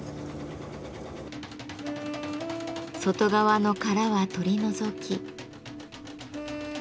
外側の殻は取り除き。